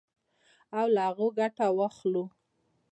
او له هغو ګټه واخلو.